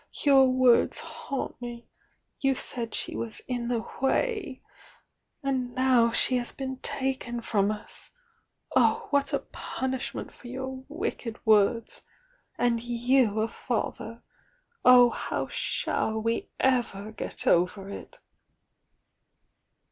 Your words haunt me! You said she was 'in the way,' and now she has been taken from us! Oh, what a punish THE YOUNG DIANA 78 ment for vour wicked wordi! And you » father! On, now shall we ever get over it!"